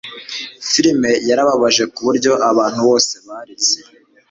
Filime yarababaje kuburyo abantu bose barize